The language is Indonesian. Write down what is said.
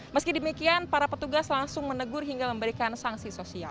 meski demikian para petugas langsung menegur hingga memberikan sanksi sosial